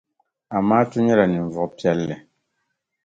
Amaatu nyɛla ninvuɣ' piɛlli.